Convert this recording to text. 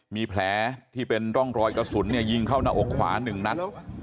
มีแผลที่เป็นร่องรอยกระสุนยิงเข้าหน้าอกขวา๑นัด